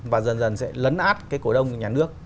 và dần dần sẽ lấn át cái cổ đông nhà nước